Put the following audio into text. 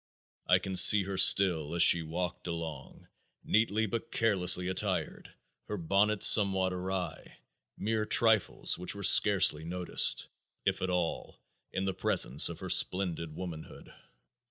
I can see her still as she walked along, neatly but carelessly attired, her bonnet somewhat awry, mere trifles which were scarcely noticed, if at all, in the presence of her splendid womanhood.